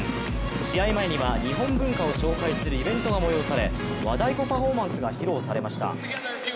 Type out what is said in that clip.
試合前には日本文化を紹介するイベントが催され和太鼓パフォーマンスが披露されました。